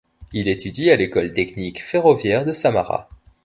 Il étudie à l'école technique ferroviaire de Samara.